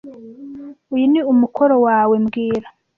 Uyu ni umukoro wawe mbwira